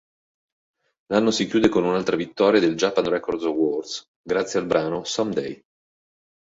L'anno si chiude con un'altra vittoria del Japan Record Awards, grazie al brano "Someday".